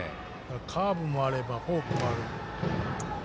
カーブもあれば、フォークもある。